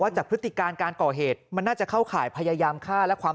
จากพฤติการการก่อเหตุมันน่าจะเข้าข่ายพยายามฆ่าและความ